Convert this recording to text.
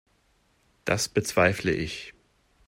Das bezweifle ich.